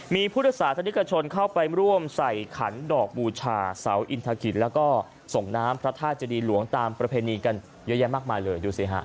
มีผู้ทศาสตร์ธนิกชนเข้าไปร่วมใส่ขันดอกบูชาเสาอินทะกิษและก็ส่งน้ำพระท่าเจดีหลวงตามประเพณีกันเยอะแยะมากมาเลย